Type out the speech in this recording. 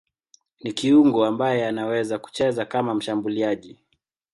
Ni kiungo ambaye anaweza kucheza kama mshambuliaji.